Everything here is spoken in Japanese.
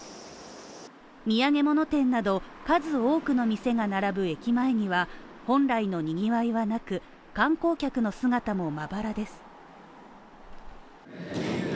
土産物店など数多くの店が並ぶ駅前には本来のにぎわいはなく観光客の姿もまばらです。